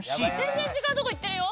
「全然違うとこ行ってるよ」